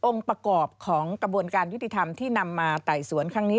ประกอบของกระบวนการยุติธรรมที่นำมาไต่สวนครั้งนี้